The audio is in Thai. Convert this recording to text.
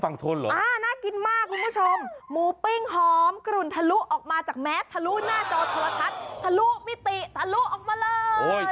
เหรออ่าน่ากินมากคุณผู้ชมหมูปิ้งหอมกลุ่นทะลุออกมาจากแมสทะลุหน้าจอโทรทัศน์ทะลุมิติทะลุออกมาเลย